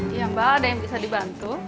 iya mbak ada yang bisa dibantu